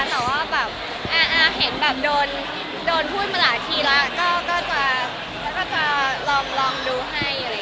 แต่ว่าแบบเอิ่มเห็นแบบโดนพูดมาหลายทีแล้วก็จะลองดูให้